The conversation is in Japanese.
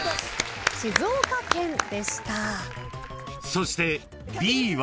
［そしてＢは？］